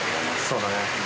そうだね。